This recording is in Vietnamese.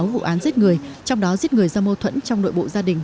một mươi sáu vụ án giết người trong đó giết người do mâu thuẫn trong nội bộ gia đình